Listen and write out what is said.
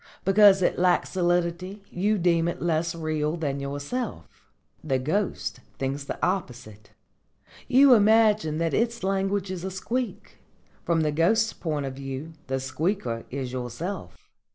Because it lacks solidity you deem it less real than yourself. The ghost thinks the opposite. You imagine that its language is a squeak. From the ghost's point of view the squeaker is yourself.